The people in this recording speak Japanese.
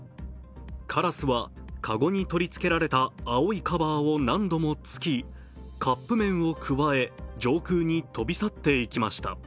カラスは籠に取り付けられた青いカバーを何度も突き、カップ麺をくわえ、上空に飛び去っていきました。